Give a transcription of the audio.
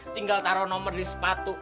tinggal taruh nomor di sepatu